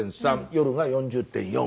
夜が４０．４。